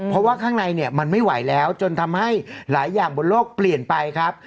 เพราะว่าข้างในเนี่ยมันไม่ไหวแล้วจนทำให้หลายอย่างบนโลกเปลี่ยนไปครับ